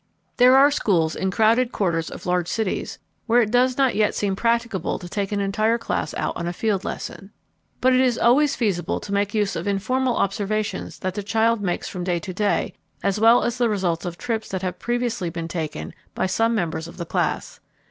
There are schools in crowded quarters of large cities where it does not yet seem practicable to take an entire class out on a field lesson. But it is always feasible to make use of informal observations that the child makes from day to day as well as the results of trips that have previously been taken by some members of the class.